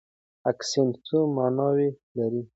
اکسنټ څو ماناوې لري؟